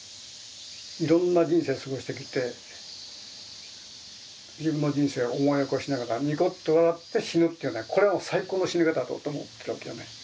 いろんな人生過ごしてきて自分の人生を思い起こしながらニコッと笑って死ぬっていうのがこれは最高の死に方だと思ってるわけよね。